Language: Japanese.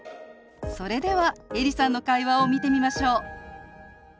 それではエリさんの会話を見てみましょう。